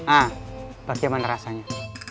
ah bagaimana rasanya